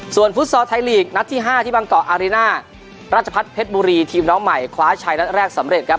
ส่วนฟุตซอลไทยลีกนัดที่๕ที่บางเกาะอาริน่ารัชพัฒน์เพชรบุรีทีมน้องใหม่คว้าชัยนัดแรกสำเร็จครับ